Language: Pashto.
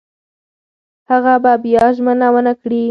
هغه به بیا هیڅکله ژمنه ونه کړي.